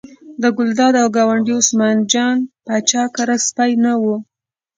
له ګلداد او ګاونډي عثمان جان پاچا کره سپی نه و.